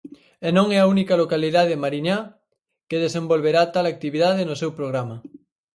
E non é a única localidade mariñá que desenvolverá tal actividade no seu programa.